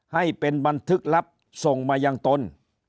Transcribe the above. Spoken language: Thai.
ให้เป็นบันทึกลับส่งมายังตน